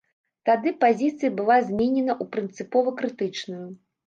Тады пазіцыя была зменена ў прынцыпова крытычную.